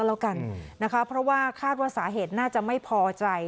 แล้วกันนะคะเพราะว่าคาดว่าสาเหตุน่าจะไม่พอใจ